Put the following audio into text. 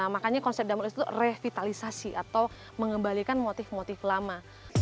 makanya konsep damlek itu revitalisasi atau mengembalikan motif motif lama